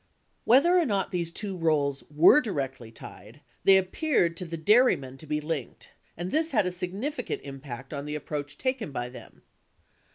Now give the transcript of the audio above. Whether or not these two roles were directly tied, they appeared to the dairymen to be linked, and this had a significant impact on the ap proach taken by them.